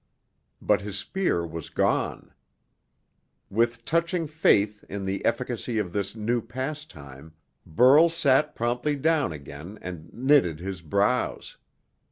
But his spear was gone. With touching faith in the efficacy of this new pastime, Burl sat promptly down again and knitted his brows.